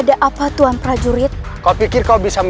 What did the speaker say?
siapa nyai subang larang yang mengincar kematianmu